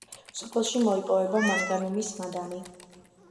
სოფელში მოიპოვება მანგანუმის მადანი.